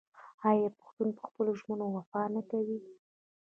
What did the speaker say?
آیا پښتون په خپلو ژمنو وفا نه کوي؟